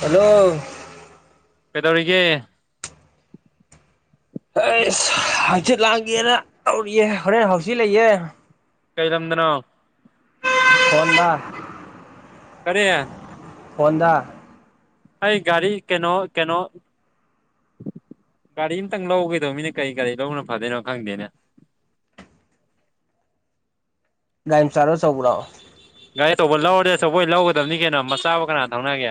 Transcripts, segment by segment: hello ꯀꯩꯗꯧꯔꯤꯒꯦ ꯑꯩꯁ ꯍꯆꯤꯠ ꯂꯥꯡꯒꯦꯅ ꯇꯧꯔꯤꯌꯦꯦ ꯍꯣꯔꯦꯟ ꯍꯧꯥꯎꯆꯤ ꯂꯩꯌꯦꯦ ꯀꯩ ꯂꯝꯝꯗꯅꯣ ꯍꯣꯟꯗꯥ ꯀꯔꯤ ꯍꯣꯟꯗꯥ ꯑꯩ ꯒꯥꯔꯤ ꯀꯩꯅꯣ ꯀꯩꯅꯣ ꯒꯥꯔꯤ ꯑꯃꯇꯪ ꯂꯧꯒꯗꯧꯅꯤꯅꯦ ꯀꯔꯤ ꯒꯥꯔꯤ ꯂꯧꯕꯅꯣ ꯐꯗꯣꯏꯅꯣ ꯈꯪꯗꯦꯅꯦ ꯂꯗꯥꯥꯏꯝ ꯁꯔꯣ ꯆꯧꯔꯑꯣꯣ ꯒꯥꯔꯤ ꯑꯆꯧꯕ ꯂꯧꯔꯗꯤ ꯑꯆꯧꯕꯣꯏ ꯂꯧꯒꯗꯕꯅꯤ ꯀꯩꯅꯣ ꯃꯆꯥꯕꯨ ꯀꯅꯥ ꯊꯪꯅꯒꯦ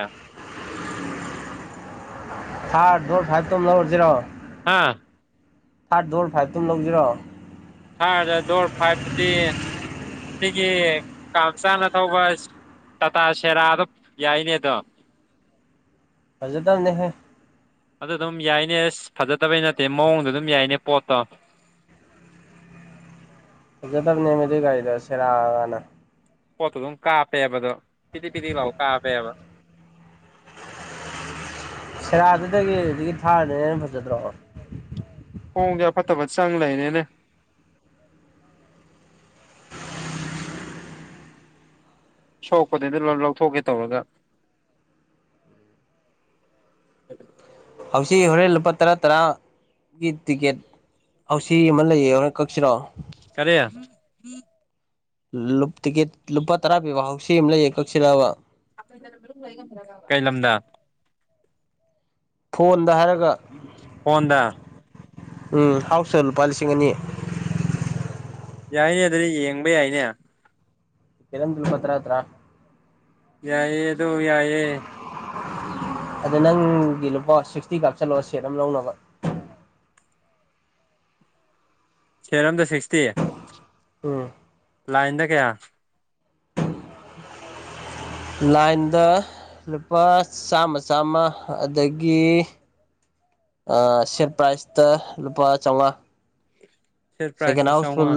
ꯊꯥꯔꯠ ꯗꯣꯔ ꯐꯥꯏꯕꯇꯣꯝ ꯂꯧꯔꯁꯤꯖꯤꯔꯣ ꯍꯥꯥ ꯊꯥꯔꯠ ꯗꯜ ꯐꯥꯏꯚꯇꯝ ꯂꯧꯁꯤꯔꯣ ꯊ ꯗꯣꯔ ꯐꯥꯏ ꯐꯗꯤ ꯁꯤꯒꯤ ꯀꯥꯡꯝ ꯆꯥꯅ ꯊꯧꯕ ꯇꯥꯇꯥ ꯁꯦꯔꯥꯗꯣ ꯌꯥꯏꯅꯦ ꯑꯗꯣ ꯐꯖꯦ ꯇꯅꯦꯍꯦ ꯑꯗꯨ ꯑꯗꯨꯝ ꯌꯥꯏꯅꯦ ꯑꯁ ꯐꯖꯗꯕꯩ ꯅꯠꯇꯦ ꯃꯑꯣꯡꯗꯣ ꯑꯗꯨꯝ ꯌꯥꯏꯅꯦ ꯄꯣꯠꯇꯣ ꯐꯖꯗꯕꯅꯦꯃꯤꯗꯨ ꯒꯥꯔꯤꯗꯁ ꯂꯥꯛꯑꯒꯥꯟꯅ ꯄꯣꯠꯇꯨ ꯑꯗꯨꯝ ꯀꯥꯞꯄꯦꯕꯗꯣ ꯄꯤꯗꯤ ꯄꯤꯗꯤ ꯂꯥꯎ ꯀꯥꯞꯄꯦꯕ ꯁꯦꯔꯥꯗꯨꯗꯒꯤ ꯑꯗꯨꯗꯒꯤ ꯊꯥꯔꯅꯤꯅ ꯍꯩꯅ ꯐꯖꯗ꯭ꯔꯣ ꯍꯣꯡꯁꯦ ꯑ ꯐꯠꯇ ꯐꯠꯇ ꯆꯪ ꯂꯩꯅꯦꯅꯦ ꯁꯣꯛꯄꯗꯩꯗ ꯂꯣꯏ ꯂꯧꯊꯣꯛꯀꯦ ꯇꯧꯔꯒ ꯑꯗꯨ ꯍꯧꯖꯤꯛ ꯍꯣꯔꯦꯟ ꯂꯨꯄꯥ ꯇꯔꯥ ꯇꯔꯥꯒꯤ ꯇꯤꯀꯦꯠ ꯑ ꯁꯤ ꯑꯃ ꯂꯩꯌꯦ ꯍꯣꯔ ꯀꯛꯁꯤꯔꯣ ꯀꯔꯤꯦ ꯇꯤꯛꯀꯦꯠ ꯂꯨꯄꯥ ꯇꯔꯥ ꯄꯤꯕ ꯍꯧꯥꯎꯁꯤ ꯑꯃ ꯂꯩꯌꯦ ꯀꯛꯁꯤꯂꯕ ꯀꯩ ꯂꯝꯗ ꯐꯣꯟꯗ ꯍꯥꯏꯔꯒ ꯀꯣꯟꯗ ꯎꯝ ꯍꯥꯎꯁ ꯂꯨꯄꯥ ꯂꯤꯁꯤꯡ ꯑꯅꯤ ꯌꯥꯏꯅꯦ ꯑꯗꯨꯗꯤ ꯌꯦꯡꯕ ꯌꯥꯏꯅꯦ ꯀꯟ ꯇꯜ ꯄꯄꯠꯇ ꯍꯥ ꯌꯥꯏꯑꯌꯦ ꯑꯗꯨꯣ ꯌꯥꯏꯑꯌꯦ ꯑꯗ ꯅꯪꯒꯤ ꯂꯨꯄꯥ ꯁꯤꯛꯁꯇꯤ ꯀꯥꯞ ꯆꯜꯂꯛ ꯁꯦꯠ ꯑꯃ ꯂꯧꯅꯕ ꯁꯦꯔꯝꯗ ꯁꯤꯛꯁꯇꯤꯦ ꯎꯝ ꯂꯥꯏꯟꯗ ꯀꯌꯥ ꯂꯥꯏꯟꯗ ꯂꯨꯄꯥ ꯆꯥꯝꯃ ꯆꯥꯝꯃ ꯑꯗꯒꯤ ꯁꯦꯠ ꯄ꯭ꯔꯥꯏꯖꯇ ꯂꯨꯄꯥ ꯆꯥꯃꯉꯥ ꯁꯦꯠ ꯁꯦꯀꯦꯟ ꯄ꯭ꯔꯥꯏꯖꯇ ꯍꯥꯎꯁ ꯐꯜ ꯆꯥꯝꯃꯉꯥ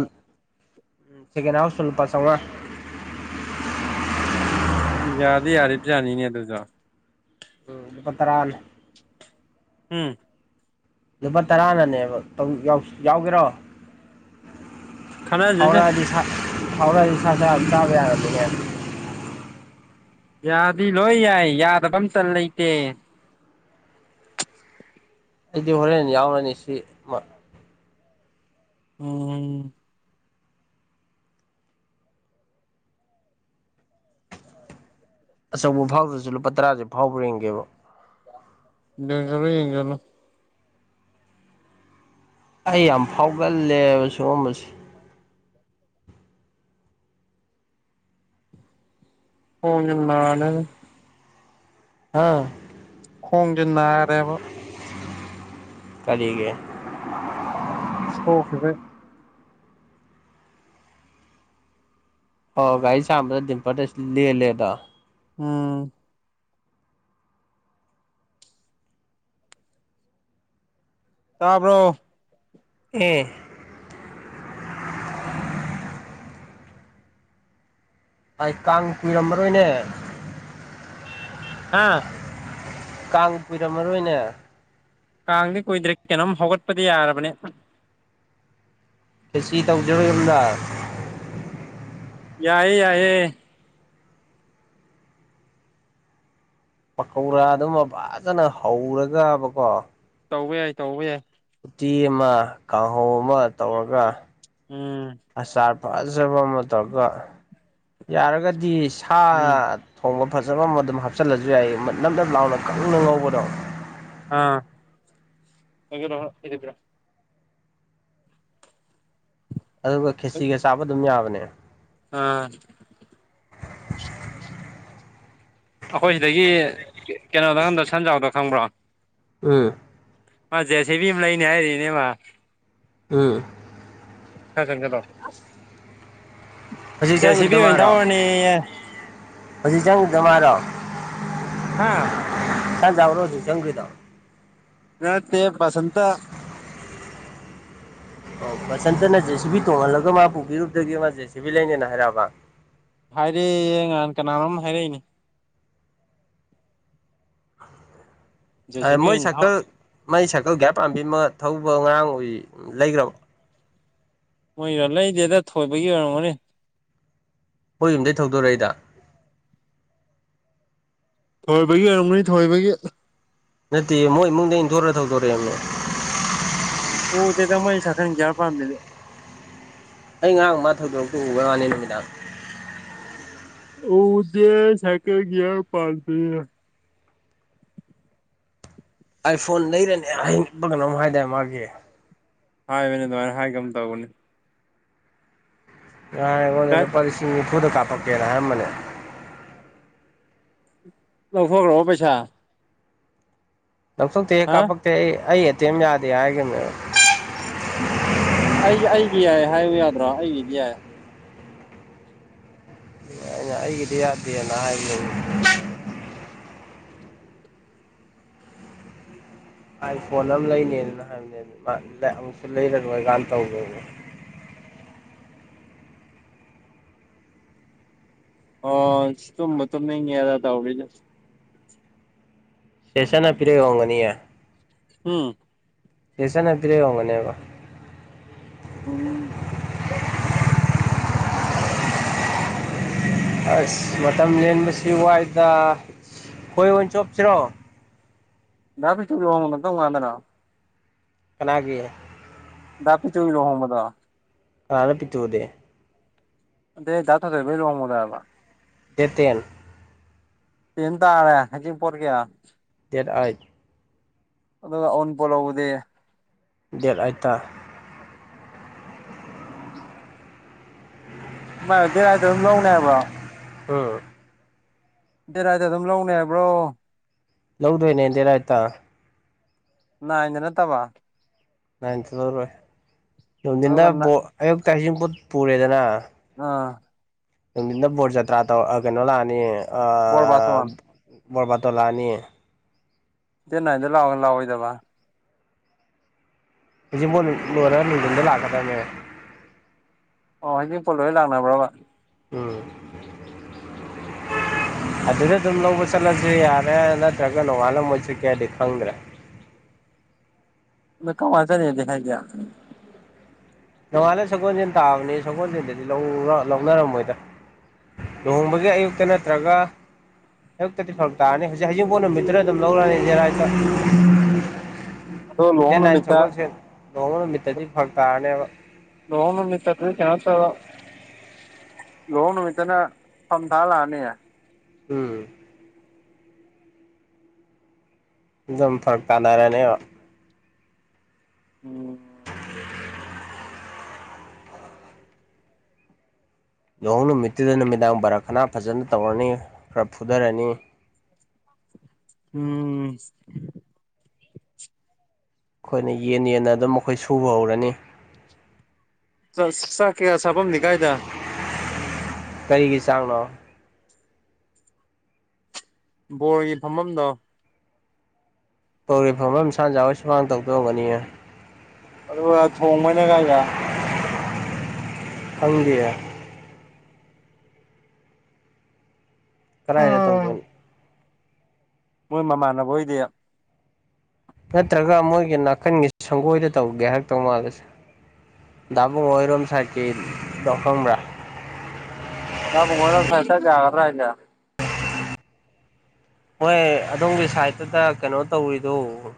ꯁꯀ ꯍꯥꯎꯁꯜ ꯄꯁꯥꯎ ꯌꯥꯥꯗ ꯌꯥꯔ ꯄꯥꯅꯤꯅꯦ ꯑꯗꯨꯗ ꯂ ꯄ ꯇꯔꯥꯜ ꯎꯝ ꯂꯨꯄꯥ ꯇꯔꯥꯅꯅꯦꯕ ꯌꯥꯎꯒꯦꯔꯣ ꯈꯟꯅꯁꯤꯁꯦ ꯍꯧꯥꯎꯔꯛꯑꯗꯤ ꯍꯧꯥꯎꯔꯛꯑꯗꯤ ꯁꯥꯖ ꯑꯗꯨꯝ ꯆꯥꯕ ꯌꯥꯔꯝꯅꯤꯅꯦ ꯌꯥꯗꯤ ꯂꯣꯏ ꯌꯥꯏ ꯌꯥꯗꯕ ꯑꯃ ꯆꯟ ꯂꯩꯇꯦ ꯑꯩꯗꯤ ꯍꯣꯔꯦꯟ ꯌꯥꯎꯔꯅꯤ ꯁꯤ ꯃ ꯎꯝ ꯑꯆꯧꯕ ꯐꯥꯎꯗ꯭ꯔꯁꯨ ꯂꯨꯄꯥ ꯇꯔꯥꯁꯦ ꯐꯥꯎꯈ꯭ꯔꯦꯡꯒꯦꯕ ꯏꯒꯂꯣ ꯌꯦꯡꯒꯂꯣ ꯑꯩ ꯌꯥꯝ ꯐꯥꯎꯒꯜꯂꯦꯕ ꯁꯤꯒꯨꯝꯕꯁꯦ [unintelligible] ꯍꯥꯎ ꯈꯣꯡꯁꯦ ꯅꯥꯔꯦꯕ ꯀꯂꯤꯒꯦ ꯑꯣ ꯐꯦ ꯐꯥꯏ ꯑꯣ ꯒꯥꯔꯤ ꯆꯥꯝꯕꯗ ꯗꯤꯝꯄꯔꯗ [unintelligible] ꯂꯦꯜꯂꯦꯕꯥ ꯑꯣ ꯇꯥꯕ꯭ꯔꯣ ꯑꯦ ꯑꯩ ꯀꯥꯡ ꯀꯨꯏꯔꯝꯃꯔꯣꯏꯅꯦ ꯑꯥ ꯀꯥꯡ ꯀꯨꯏꯔꯝꯃꯔꯣꯏꯅꯦ ꯀꯥꯡꯗꯤ ꯀꯨꯏꯗ꯭ꯔꯦ ꯀꯩꯅꯣꯝ ꯍꯧꯒꯠꯄꯗꯤ ꯌꯥꯔꯕꯅꯦ [unintelligible] ꯈꯦꯆꯤ ꯇꯧꯖꯤꯔꯣ ꯌꯨꯝꯗ ꯌꯥꯏꯌꯦ ꯌꯥꯏꯌꯦ ꯄꯀꯧꯔꯥꯗꯨꯃ ꯐꯖꯅ ꯍꯧꯔꯒꯥꯕꯀꯣ ꯇꯧꯕ ꯌꯥꯏ ꯇꯧꯕ ꯌꯥꯏ ꯎꯇꯤ ꯑꯃ ꯀꯥꯡꯍꯧ ꯑꯃ ꯇꯧꯔꯒ ꯎꯝ ꯑꯆꯥꯔ ꯐꯖꯕ ꯑꯃ ꯇꯧꯔꯒ ꯌꯥꯔꯒꯗꯤ ꯁꯥ ꯎꯝ ꯊꯣꯡꯕ ꯐꯖꯕ ꯑꯃ ꯑꯗꯨꯝ ꯍꯥꯞꯆꯤꯜꯂꯁꯨ ꯌꯥꯏ ꯅꯗꯞ ꯂꯥꯎꯅ ꯀꯪꯅ ꯉꯧꯕꯗꯣ ꯑꯥ [unintelligible] ꯑꯗꯨꯒ ꯈꯦꯆꯤꯒ ꯆꯥꯕ ꯑꯗꯨꯝ ꯌꯥꯕꯅꯦ ꯑꯥ ꯑꯩꯈꯣꯏ ꯁꯤꯗꯒꯤ ꯀꯩꯅꯣꯗ ꯈꯪꯗ꯭ꯔ ꯁꯟꯖꯥꯎꯗ ꯈꯪꯕ꯭ꯔꯣ ꯎꯝ ꯃꯥ ꯖꯦꯁꯦꯕꯤ ꯑꯃ ꯂꯩꯅꯤ ꯍꯥꯏꯔꯤꯅꯦꯕ ꯎꯝ ꯆꯠꯂꯣ ꯍꯧꯖꯤꯛ ꯖꯦ ꯆꯪꯈ꯭ꯔꯤꯗꯣ ꯁꯤꯕꯤꯤ ꯑꯣꯏꯅ ꯃꯥꯔꯣ ꯊꯔꯅꯤ ꯍꯧꯖꯤꯛ ꯆꯪꯒꯤꯕꯗꯣ ꯃꯥꯔꯣ ꯍꯥꯥ [unintelligible] ꯕꯔꯣ ꯍꯧꯖꯤꯛ ꯆꯪꯒ꯭ꯔꯤꯗꯣ ꯑꯠꯇ ꯄꯁꯟꯇ ꯑꯣ ꯕꯁꯟꯇꯅ ꯖꯦꯁꯤꯕꯤ ꯇꯣꯡꯍꯜꯂꯒ ꯃꯥ ꯄꯨꯕꯤꯔꯨꯕꯗꯒꯤ ꯃꯥ ꯖꯦꯁꯤꯕꯤ ꯂꯩꯅꯦꯅ ꯍꯥꯏꯔꯛꯑꯕꯥ ꯍꯥꯏꯔꯦꯌꯦ ꯅꯍꯥꯟ ꯀꯅꯥꯅꯣꯝ ꯍꯥꯏꯔꯛꯏꯅꯤ ꯖꯦ ꯁꯤ ꯕꯤ ꯃꯣꯏ ꯑꯣꯏꯅ ꯊꯧ ꯁꯥꯏꯀꯜ ꯃꯥꯏ ꯁꯥꯏꯀꯜ ꯒ꯭ꯌꯥꯔ ꯄꯥꯟꯕꯤ ꯑꯃ ꯊꯧꯕ ꯉꯔꯥꯡ ꯎꯏ ꯂꯩꯒ꯭ꯔꯝꯕꯣ ꯃꯣꯏꯒꯤꯔꯣ ꯂꯩꯗꯦꯗꯥ ꯊꯣꯏꯕꯒꯤ ꯑꯣꯏꯔꯝꯒꯅꯤ ꯍꯣꯏ ꯌꯨꯝꯗꯩ ꯊꯧꯗꯣꯔꯛꯏꯗ ꯊꯣꯏꯕꯒꯤ ꯑꯣꯏꯔꯝꯒꯅꯤ ꯊꯣꯏꯕꯒꯤ ꯅꯠꯇꯤꯌꯦ ꯃꯣꯏ ꯏꯃꯨꯡꯗꯩ ꯏꯟꯊꯣꯔ ꯊꯧꯗꯣꯔꯛꯑꯦ ꯃꯤ ꯎꯗꯦꯗ ꯃꯣꯏ ꯁꯥꯏꯀꯜ ꯒ꯭ꯌꯥꯔ ꯄꯥꯟꯕꯤꯗꯤ ꯑꯩ ꯉꯔꯥꯡ ꯃꯥ ꯊꯩꯗꯣꯔꯛꯄ ꯗꯨ ꯎꯕꯩ ꯋꯥꯅꯦ ꯅꯨꯃꯤꯗꯥꯡ ꯑꯣꯗꯤ ꯁꯥꯏꯀꯦꯜꯒꯌꯥ ꯄꯜꯗ ꯑꯥꯏꯐꯣꯟ ꯂꯩꯔꯅꯦ ꯍꯕ ꯀꯩꯅꯣꯝ ꯍꯥꯏꯗꯥꯦ ꯃꯥꯒꯤ ꯍꯥꯏꯕꯅꯦ ꯑꯗꯨꯃꯥꯏꯅ ꯍꯥꯏ ꯀꯩꯅꯝ ꯇꯧꯕꯅꯤ [unintelligible] ꯑꯩꯉꯣꯟꯗ ꯗꯥꯏ ꯂꯨꯄꯥ ꯂꯤꯁꯤꯡ ꯅꯤꯐꯨꯗꯥ ꯀꯥꯞꯄꯛꯀꯦꯅ ꯍꯥꯏꯔꯝꯕꯅꯦ ꯂꯧꯊꯣꯛꯑꯈ꯭ꯔꯣꯕꯣ ꯄꯩꯁꯥ ꯂꯧꯊꯣꯛꯇꯦꯍꯦ ꯍꯥ ꯀꯥꯞꯄꯛꯇꯦ ꯑꯩ ꯑꯩ ꯑꯦꯇꯦꯝ ꯌꯥꯗꯦ ꯍꯥꯏꯒꯤꯕꯅꯦ ꯑꯩꯒꯤ ꯑꯩꯒꯤ ꯌꯥꯏ ꯍꯥꯏꯌꯨ ꯌꯥꯗ꯭ꯔꯣ ꯑꯩꯒꯤꯗꯤ ꯌꯥꯏ ꯑꯩꯅ ꯑꯩꯒꯤꯗꯤ ꯌꯥꯗꯦꯅ ꯍꯥꯏꯕꯅꯦ ꯑꯥꯏ ꯐꯣꯟ ꯑꯃ ꯂꯩꯅꯦꯅ ꯍꯥꯏꯕꯅꯦ ꯑꯃꯨꯛꯁꯨ ꯂꯩꯔꯔꯣꯏꯀꯥꯏꯅ ꯇꯧꯒꯤꯝꯅꯤ ꯑꯣ ꯇꯨꯝꯕꯨ ꯇꯨꯝꯅꯤꯡꯉꯦꯗꯥ ꯇꯧꯔꯤꯖꯦ ꯆꯦꯆꯟꯅ ꯄꯤꯔꯛ ꯏ ꯑꯣꯏꯔꯝꯒꯅꯤꯌꯦ ꯎꯝ ꯆꯦꯆꯟ ꯅ ꯄꯤꯔꯛ ꯏ ꯑꯣꯏꯔꯝꯒꯅꯤꯕ ꯎꯝ ꯑꯁ ꯃꯇꯝ ꯂꯦꯟꯕꯁꯤ ꯋꯥꯏꯗ ꯈꯣꯏ ꯑꯣꯏꯅ ꯆꯣꯞꯁꯤꯔꯣ [unintelligible] ꯀꯅꯥꯒꯤ ꯗꯥ ꯄꯤꯇꯨꯒꯤ ꯂꯣꯍꯣꯡꯕꯗꯣ ꯀꯅꯥꯅꯣ ꯄꯤꯇꯨ ꯑꯗꯤ ꯑꯗꯦ ꯗꯥ ꯊꯣꯏꯊꯣꯏꯕꯒꯤ ꯂꯨꯍꯣꯡꯕꯗꯣ ꯍꯥꯏꯕ ꯗꯦꯠ ꯇꯦꯟ ꯇꯦꯟ ꯇꯥꯔꯦ ꯍꯩꯖꯤꯡ ꯄꯣꯠꯀꯤ ꯗꯦꯠ ꯑꯥꯏꯠ ꯑꯗꯨꯒ ꯑꯎꯟꯄꯣꯠ ꯂꯧꯕꯗꯤ ꯗꯦꯠ ꯑꯥꯏꯠ ꯇꯥ ꯃꯥꯏꯔꯣ ꯗꯦꯠ ꯑꯥꯏꯠ ꯇ ꯑꯗꯨꯝ ꯂꯧꯅꯦ ꯍꯥꯏꯕ꯭ꯔꯣ ꯎꯝ ꯗꯦꯠ ꯑꯥꯏꯠꯇ ꯑꯗꯨꯝ ꯂꯧꯅꯤ ꯍꯥꯏꯕ꯭ꯔꯣ ꯂꯧꯗꯣꯏꯅꯦ ꯗꯦꯠ ꯑꯥꯏꯠ ꯇ ꯅꯥꯏꯟꯗ ꯅꯠꯇꯕ ꯅꯥꯏꯟ ꯆꯠꯂꯧꯔꯣꯏ ꯅꯨꯡꯊꯤꯟꯗ ꯑꯗꯨꯒ ꯑꯌꯨꯛꯇ ꯍꯩꯖꯤꯡ ꯄꯣꯠ ꯄꯨꯔꯦꯗꯅ ꯑꯥ ꯅꯨꯡꯗꯤꯟꯗ ꯕꯣꯔ ꯖꯇ꯭ꯔꯥ ꯇꯧ ꯀꯩꯅꯣ ꯂꯥꯑꯅꯤ ꯕꯣꯔ ꯑꯥ ꯕꯥꯇꯣꯟ ꯕꯣꯔ ꯕꯥꯇꯣꯟ ꯂꯥꯛꯑꯅꯤ ꯗꯦꯠ ꯅꯥꯏꯟ ꯂꯥꯛꯑꯣ ꯂꯥꯛꯑꯣꯏꯗꯕ ꯍꯩꯖꯤꯡꯄꯣꯠ ꯂꯣꯏꯔꯦ ꯅꯨꯡꯗꯤꯟꯗ ꯂꯥꯛꯀꯗꯕꯅꯦꯕ ꯑꯣ ꯍꯩꯖꯤꯡꯄꯣꯠ ꯂꯣꯏꯔ ꯂꯥꯛꯅꯕ꯭ꯔꯕ ꯎꯝ [unintelligible] ꯑꯗꯨꯗ ꯑꯗꯨꯝ ꯂꯧꯕ ꯆꯠꯂꯁꯨ ꯌꯥꯔꯦ ꯅꯠꯇ꯭ꯔꯒ ꯅꯣꯡꯉꯥꯜꯂ ꯃꯣꯏ ꯆꯠꯀꯦ ꯍꯥꯏꯗꯤ ꯈꯪꯗ꯭ꯔꯥ ꯃꯣꯏ ꯀꯝꯀꯥꯟ ꯆꯠꯅꯦꯗꯤ ꯍꯥꯏꯒꯦ ꯅꯣꯡꯉꯥꯜꯂ ꯁꯒꯣꯟꯖꯦꯟ ꯇꯥꯕꯅꯤ ꯁꯒꯣꯟꯖꯦꯟꯗꯗꯤ ꯂꯧꯔ ꯂꯧꯅꯔꯝꯃꯣꯏꯗꯥ ꯂꯨꯍꯣꯡꯕꯒꯤ ꯑꯌꯨꯛꯇ ꯅꯠꯇ꯭ꯔꯒ ꯑꯌꯨꯛꯇꯗꯤ ꯐꯔꯛ ꯇꯥꯔꯅꯤ ꯍꯧꯖꯤꯛ ꯍꯖꯤꯡꯄꯣꯠ ꯅꯨꯃꯤꯠꯇꯔ ꯑꯗꯨꯝ ꯂꯧꯔꯛꯑꯅꯤ ꯗꯦꯠ ꯑꯥꯏꯠ ꯇ ꯑꯗꯣ ꯗꯦꯠ ꯂꯨꯍꯣꯡ ꯅꯥꯏꯟ ꯅꯨꯃꯤꯠꯇ ꯁꯒꯣꯟꯁꯦꯟ ꯂꯨꯍꯣꯡꯕ ꯅꯨꯃꯤꯠꯇꯗꯤ ꯐꯔꯛ ꯇꯥꯔꯅꯦꯕ ꯂꯨꯍꯣꯡ ꯅꯨꯃꯤꯠꯇꯗꯤ ꯀꯦꯅꯣ ꯇꯧꯔꯣ ꯂꯨꯍꯣꯡ ꯅꯨꯃꯤꯠꯇꯅ ꯐꯝ ꯊꯥ ꯂꯥꯛꯑꯅꯤ ꯎꯝ ꯑꯗꯨꯝ ꯐꯔꯛ ꯀꯥꯟꯅꯔꯅꯦꯣ ꯎꯝ [inaudible] ꯂꯨꯍꯣꯡ ꯅꯨꯃꯤꯠꯇꯨꯗ ꯅꯨꯃꯤꯗꯥꯡ ꯕꯥꯔꯥ ꯈꯅꯥ ꯐꯖꯅ ꯇꯧꯔꯅꯤ ꯈꯔ ꯐꯨꯊꯔꯅꯤ ꯎꯝ ꯑꯈꯣꯏꯅ ꯌꯦꯟ ꯌꯦꯟꯅ ꯑꯗꯨꯝ ꯑꯈꯣꯏ ꯁꯨꯕ ꯍꯧꯔꯅꯤ [unintelligible] ꯆꯥꯛꯀꯦꯔꯥ ꯆꯥꯕꯝꯗꯤ ꯀꯥꯏꯗ ꯀꯔꯤꯒꯤ ꯆꯥꯛꯅꯣ ꯕꯣꯔꯒꯤ ꯐꯝꯐꯝꯗꯣ ꯄꯧ꯭ꯔꯤ ꯐꯥꯝ ꯑꯃꯝꯁꯥꯖꯎ ꯁꯨꯃꯥꯡ ꯇꯧꯗꯣꯛꯑꯒꯅꯤꯌꯦ ꯑꯗꯨ ꯊꯣꯡ ꯃꯅꯦ ꯀꯥꯏ ꯌꯥ ꯍꯪꯕꯤꯌꯥ ꯀꯗꯥꯥꯏꯗ ꯎꯝ ꯇꯧꯗꯣꯏꯣ ꯃꯣꯏ ꯃꯃꯥꯟꯅꯕ ꯍꯣꯏꯗꯤ ꯅꯠꯇ꯭ꯔꯒ ꯃꯣꯏꯒꯤ ꯅꯥꯀꯟꯒꯤ ꯁꯪꯒꯣꯏꯗ ꯇꯧꯒꯦ ꯍꯥꯏꯔꯛꯇꯧ ꯃꯥꯜꯂꯁꯦ ꯗꯥꯕꯨꯡ ꯑꯣꯏꯔꯝ ꯁꯥꯔꯀꯤ ꯂꯈꯪꯕ꯭ꯔꯥ ꯃ ꯁ ꯍꯥꯏꯒ꯭ꯔ ꯏꯂ ꯍꯣꯏ ꯑꯗꯣꯝꯒꯤ ꯁꯥꯏꯠꯇꯗ ꯀꯩꯅꯣ ꯇꯧꯔꯤꯗꯨꯣ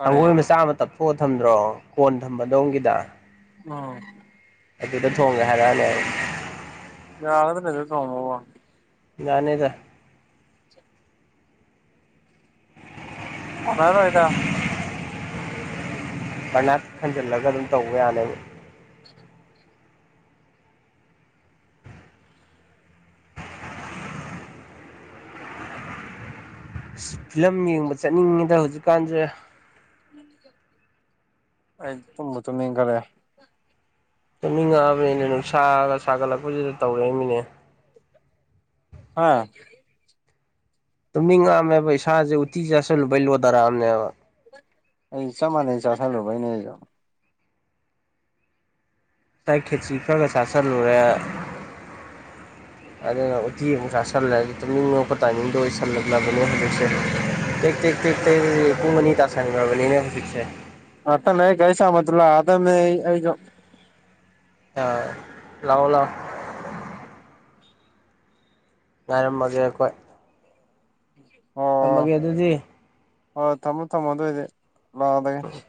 ꯁꯪꯒꯣꯏ ꯃꯆꯥ ꯑꯃ ꯇꯞꯊꯣꯛꯑ ꯊꯝꯗ꯭ꯔꯣ ꯀꯣꯟ ꯊꯝꯕꯗꯣꯝꯒꯤꯗ ꯑꯣ ꯑꯗꯨꯗ ꯊꯣꯡꯒꯦ ꯍꯥꯏꯔꯛꯑꯅꯦ ꯑꯩ ꯌꯥꯒꯥꯗ ꯂꯩ ꯑꯗꯨ ꯇꯣꯡꯉꯅꯤ ꯌꯥꯅꯤꯗ ꯔꯣ ꯑꯣꯏꯣꯏꯗ ꯄꯔꯅꯥꯠ ꯈꯟꯖꯤꯜꯂꯒ ꯑꯗꯨꯝ ꯇꯧꯕ ꯌꯥꯅꯦꯕ ꯑ ꯐꯤꯂꯝ ꯌꯦꯡꯕ ꯆꯠꯅꯤꯡꯉꯤꯗ ꯍꯧꯖꯤꯛꯀꯥꯟꯁꯦ ꯑꯩ ꯇꯨꯝꯕ ꯇꯨꯝꯅꯤꯡꯈ꯭ꯔꯦ ꯆꯠꯃꯤꯉꯛꯑꯕꯅꯤꯅ ꯅꯨꯡꯁꯥꯒ ꯁꯥꯒꯠꯂꯛꯄꯁꯤꯗ ꯇꯧꯔꯦ ꯑꯩꯃꯤꯅꯦ ꯍꯥꯥ ꯇꯨꯝꯅꯤꯡꯉꯑꯝꯃꯦꯕ ꯏꯁꯥꯁꯦ ꯎꯠꯇꯤ ꯆꯥꯁꯤꯜꯂꯨꯕꯩ ꯂꯣꯊꯔꯛꯑꯝꯅꯦꯕ ꯑꯩ ꯏ ꯆ ꯃꯥꯟ ꯆ ꯊꯂꯨꯕꯅꯦ ꯑꯩ ꯉꯥꯏ ꯈꯦꯇꯤ ꯈꯔꯒ ꯆꯥꯁꯤꯜꯂꯨꯔꯦ ꯑꯗꯨꯅ ꯎꯇꯤ ꯑꯃ ꯁꯥ ꯁꯜꯂꯦ ꯑꯗꯨ ꯇꯨꯅꯤꯡꯉꯛꯄ ꯇꯥꯏꯃꯤꯡꯗꯣ ꯑꯣꯏꯁꯜꯂꯛꯂꯕꯅꯦ ꯍꯧꯟꯖꯤꯛꯁꯦ ꯊ ꯊ ꯊ ꯊ ꯄꯨꯡꯕꯅꯤ ꯇꯥꯁꯅꯒ꯭ꯔꯕꯅꯤꯅ ꯍꯧꯖꯤꯛꯁꯦ ꯑꯠꯇꯅꯦ ꯀꯩꯁ ꯃꯗꯨꯂ ꯑꯃꯦ ꯑ ꯂꯑꯣ ꯂꯥꯛꯑꯣ ꯉꯥꯏꯔꯝꯃꯒꯦ ꯑꯩꯈꯣꯏ ꯑꯣ ꯉꯔꯝꯃꯒꯦ ꯑꯗꯨꯗꯤ ꯍꯣꯏ ꯊꯝꯃꯣ ꯊꯝꯃꯣ ꯑꯗꯨꯑꯣꯏꯗꯤ ꯂꯥꯛꯑꯗꯒꯦ